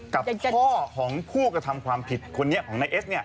กับพ่อของผู้กระทำความผิดคนเนี่ยของนายเอสนี่นะฮะ